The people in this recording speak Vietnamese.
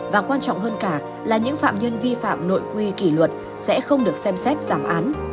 và quan trọng hơn cả là những phạm nhân vi phạm nội quy kỷ luật sẽ không được xem xét giảm án